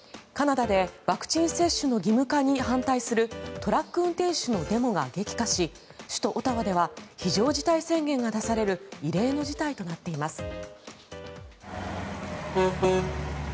カナダでワクチン接種の義務化に反対するトラック運転手のデモが激化し首都オタワでは非常事態宣言が出される異例の事態となっています。